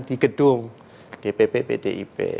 di gedung dpp pdip